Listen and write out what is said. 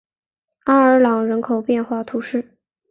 阿尔朗人口变化图示